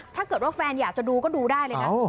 ถ้าเกิดว่าแฟนอยากจะดูก็ดูได้เลยนะ